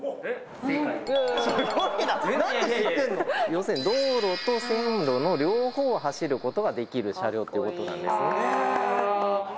要するに道路と線路の両方を走ることができる車両ということなんですね。